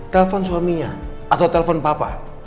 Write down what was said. telepon suaminya atau telpon papa